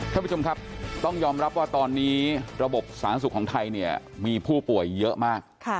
ท่านผู้ชมครับต้องยอมรับว่าตอนนี้ระบบสาธารณสุขของไทยเนี่ยมีผู้ป่วยเยอะมาก